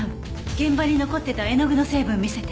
現場に残っていた絵の具の成分見せて。